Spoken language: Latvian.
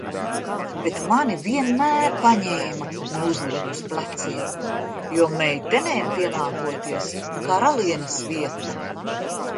Bet mani vienmēr paņēma un uzlika uz pleciem, jo meitenēm pienākoties karalienes vieta.